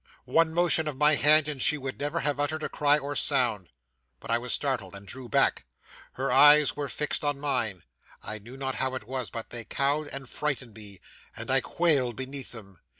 'One motion of my hand, and she would never again have uttered cry or sound. But I was startled, and drew back. Her eyes were fixed on mine. I knew not how it was, but they cowed and frightened me; and I quailed beneath them.